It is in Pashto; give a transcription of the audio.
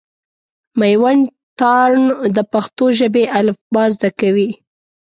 مېوند تارڼ د پښتو ژبي الفبا زده کوي.